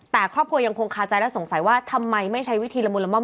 แต่ครอบครัวยังคงคาใจและสงสัยว่าทำไมไม่ใช้วิธีละมุนละม่อม